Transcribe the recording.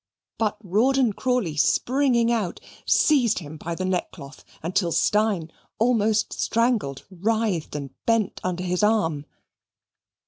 But Rawdon Crawley springing out, seized him by the neckcloth, until Steyne, almost strangled, writhed and bent under his arm.